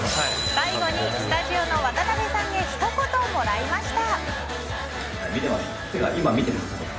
最後にスタジオの渡辺さんにひと言もらいました。